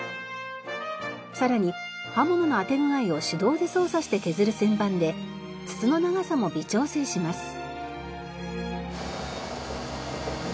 さらに刃物の当て具合を手動で操作して削る旋盤で筒の長さも微調整します。